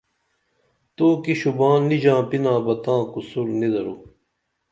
تو کی شوباں نی ژاپِنا بہ تاں قصور نی درو